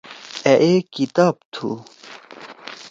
أ اے کتاب تُھو۔